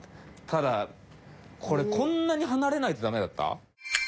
ただこれこんなに離れないとダメだった？